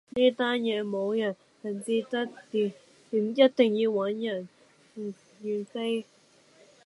呢單嘢冇人拆得掂，一定要搵人孭飛